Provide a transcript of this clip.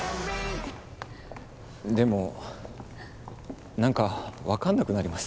でも何かわかんなくなります。